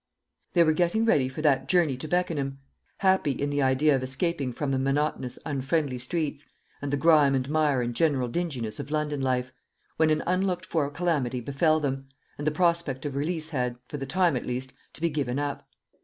They were getting ready for that journey to Beckenham, happy in the idea of escaping from the monotonous unfriendly streets, and the grime and mire and general dinginess of London life, when an unlooked for calamity befell them, and the prospect of release had, for the time at least, to be given up.